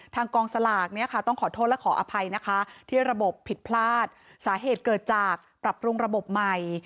กองสลากเนี่ยค่ะต้องขอโทษและขออภัยนะคะที่ระบบผิดพลาดสาเหตุเกิดจากปรับปรุงระบบใหม่